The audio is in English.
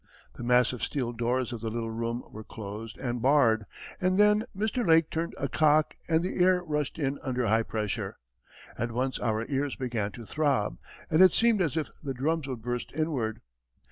The massive steel doors of the little room were closed and barred, and then Mr. Lake turned a cock and the air rushed in under high pressure. At once our ears began to throb, and it seemed as if the drums would burst inward.